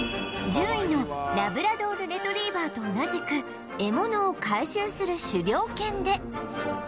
１０位のラブラドール・レトリーバーと同じく獲物を回収する狩猟犬で